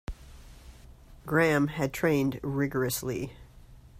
Graham had trained rigourously.